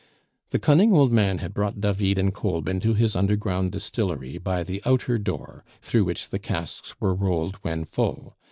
The cunning old man had brought David and Kolb into his underground distillery by the outer door, through which the casks were rolled when full.